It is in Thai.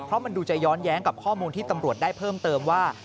เพราะมันดูจะย้อนแย้งกับข้อมูลที่ตำรวจได้เพิ่มเติมว่า